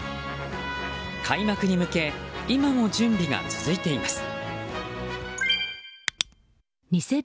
開幕に向け今も準備が続いています。